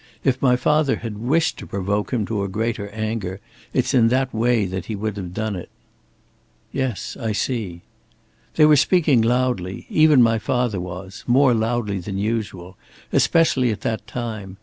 If my father had wished to provoke him to a greater anger, it's in that way that he would have done it." "Yes. I see." "They were speaking loudly even my father was more loudly than usual especially at that time.